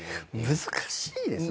難しいですね。